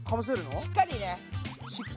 しっかり！